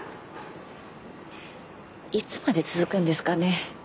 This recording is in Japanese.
いつまで続くんですかね